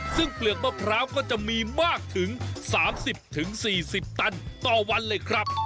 ซึ่งเปลือกมะพร้าวก็จะมีมากถึง๓๐๔๐ตันต่อวันเลยครับ